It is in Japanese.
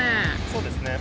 そうですね。